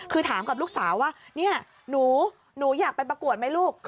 คือถามกับลูกสาวว่าเนี่ยหนูอยากไปประกวดไหมลูก